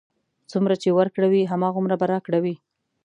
څومره چې ورکړه وي، هماغومره به راکړه وي.